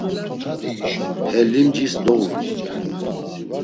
He limcis doğuru.